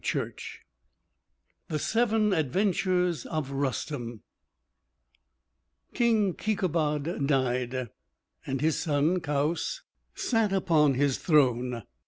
CHURCH I THE SEVEN ADVENTURES OF RUSTEM King Keïkobad died, and his son Kaoüs sat upon his throne.